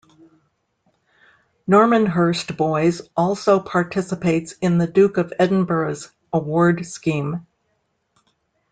Normanhurst Boys also participates in the Duke of Edinburgh's Award Scheme.